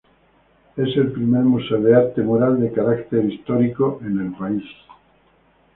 Es el primer museo de arte mural de Carácter Histórico en el país.